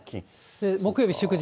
木曜日、祝日。